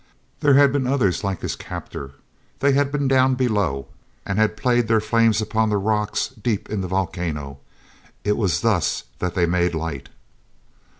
There had been others like his captor; they had been down below, and had played their flames upon the rocks deep in the volcano. It was thus that they made light.